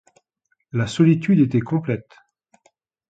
La solitude était complète.